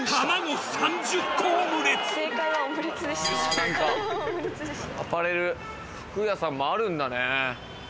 何かアパレル服屋さんもあるんだね。